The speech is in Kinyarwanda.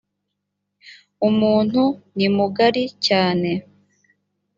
umuntu ni mugari cyane.